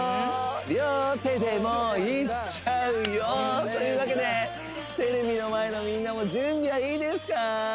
両手でもいっちゃうよというわけでテレビの前のみんなも準備はいいですか？